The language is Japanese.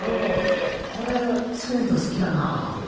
これ好きな人は好きやな。